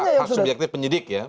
hak subjektif penyidik ya